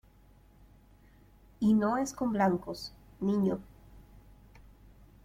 ¡ y no es con blancos, niño!